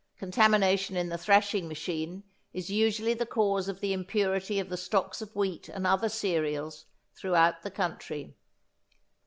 Contamination in the thrashing machine is usually the cause of the impurity of the stocks of wheat and other cereals throughout the country.